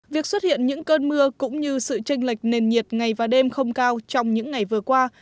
việc xuất hiện những cơn mưa cũng như sự tranh lệch nền nhiệt ngày và đêm không cao trong những ngày vừa qua